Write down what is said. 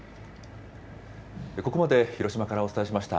ここまで広島からお伝えしました。